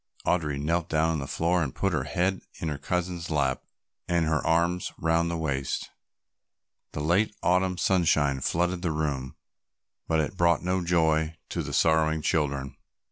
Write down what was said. Audry knelt down on the floor and put her head in her cousin's lap, and her arms round her waist. The late Autumn sunshine flooded the room, but it brought no joy to the sorrowing children.